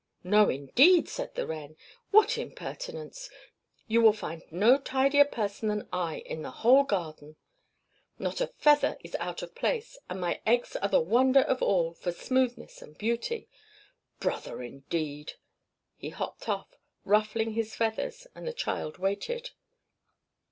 "No indeed!" said the wren. "What impertinence! You will find no tidier person than I in the whole garden. Not a feather is out of place, and my eggs are the wonder of all for smoothness and beauty. Brother, indeed!" He hopped off, ruffling his feathers, and the child waited.